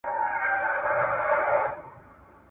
په کټ کټ به یې په داسي زور خندله